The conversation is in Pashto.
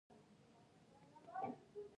تودوخه د افغان ځوانانو د هیلو استازیتوب کوي.